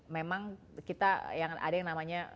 memang kita yang ada yang namanya